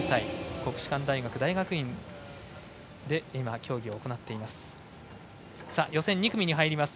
国士舘大学大学院で今、競技を行っています。